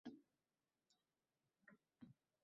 Tarix va kelajak uyg‘unlashadi